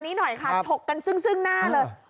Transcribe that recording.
ชกกันซึ้งซึ้งหน้าเลย